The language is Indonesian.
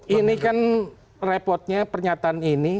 ini kan repotnya pernyataan ini